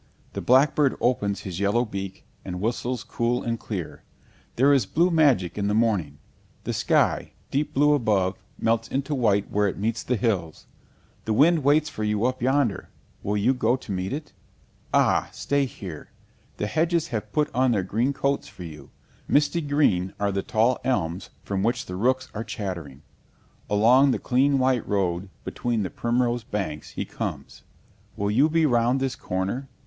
The blackbird opens his yellow beak, and whistles cool and clear. There is blue magic in the morning; the sky, deep blue above, melts into white where it meets the hills. The wind waits for you up yonder will you go to meet it? Ah, stay here! The hedges have put on their green coats for you; misty green are the tall elms from which the rooks are chattering. Along the clean white road, between the primrose banks, he comes. Will you be round this corner?